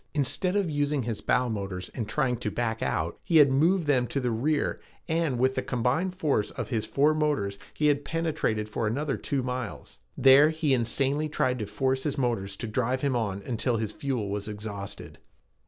Instead of using his bow motors and trying to back out, he had moved them to the rear, and with the combined force of his four motors he had penetrated for another two miles. There he insanely tried to force his motors to drive him on until his fuel was exhausted.